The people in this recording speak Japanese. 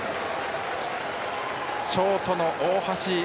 ショートの大橋。